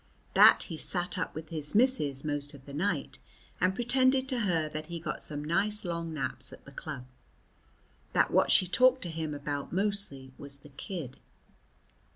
That he sat up with his missus most of the night, and pretended to her that he got some nice long naps at the club. That what she talked to him about mostly was the kid.